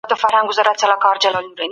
ټولنیزه سوکالي څنګه رامنځته کیږي؟